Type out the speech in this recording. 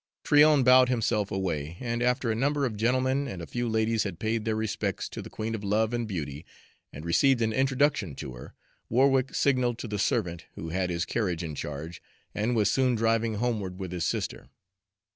Tryon bowed himself away, and after a number of gentlemen and a few ladies had paid their respects to the Queen of Love and Beauty, and received an introduction to her, Warwick signaled to the servant who had his carriage in charge, and was soon driving homeward with his sister.